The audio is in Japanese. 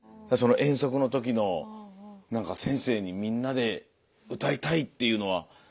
その遠足の時の何か先生にみんなで歌いたいっていうのは。